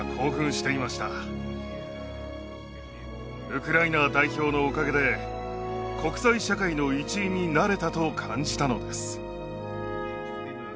ウクライナ代表のおかげで国際社会の一員になれたと感じたのです。